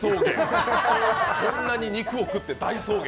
こんなに肉を食って大草原！？